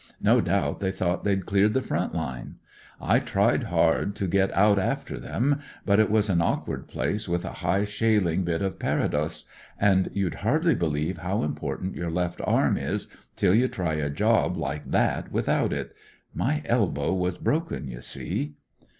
No doubt they thought they'd cleared the front line. I tried hard to get out after them, but it was an awkward place with a high, shaling bit of parados, and you'd hardly believe hov, important your left arm is till you try a job like that without it— my elbow was broken, you see.